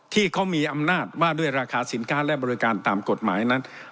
ที่เขามีอำนาจว่าด้วยราคาสินค้าและบริการตามกฎหมายนั้น